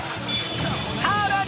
さらに！